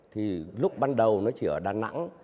thì lúc ban đầu nó chỉ ở đà nẵng